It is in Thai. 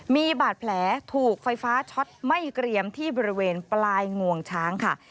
มีบาดแผลถูกไฟฟ้าช็อตไม่เกรียมที่บริเวณปลายงวงช้างค่ะ